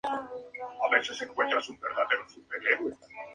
Comete asesinatos en los que evidencia su sadismo y perversión.